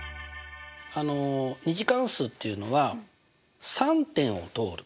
２次関数っていうのは３点を通る。